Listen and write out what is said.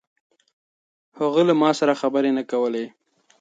هغه له ما سره خبرې نه کولې.